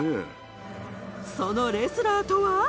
そのレスラーとは。